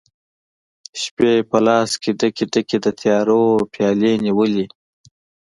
شپي په لاس کې ډکي، ډکي، د تیارو پیالې نیولي